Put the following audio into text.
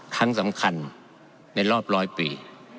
ครั้งสำคัญในรอบร้อยปี